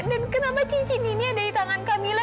dan kenapa cincin ini ada di tangan kamila